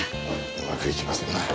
うまくいきませんな。